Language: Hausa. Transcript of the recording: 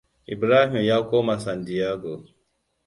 Ibrahim ya koma San Diego.